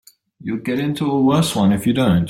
You'll get into a worse one if you don't.